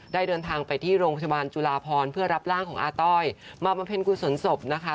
เดินทางไปที่โรงพยาบาลจุลาพรเพื่อรับร่างของอาต้อยมาบำเพ็ญกุศลศพนะคะ